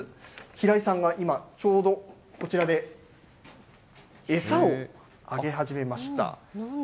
平居さんが今ちょうどこちらで餌をあげ始めました。